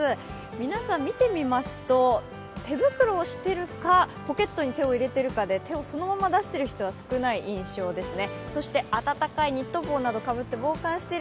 皆さん、見てみますと、手袋をしてるか、ポケットに手を入れているかで手をそのまま出している人は少ないですね。